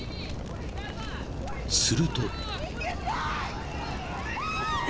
［すると］